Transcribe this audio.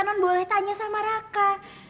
non boleh tanya sama raka